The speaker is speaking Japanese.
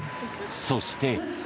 そして。